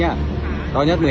con này to con này cân đường